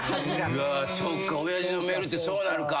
そうか親父のメールってそうなるか。